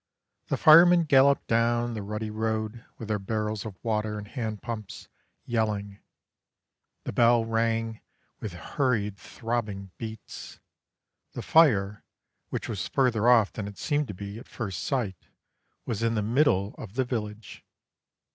The firemen galloped down the rutty road with their barrels of water and hand pumps, yelling. The bell rang, with hurried, throbbing beats. The fire, which was further off than it seemed to be at first sight, was in the middle of the village.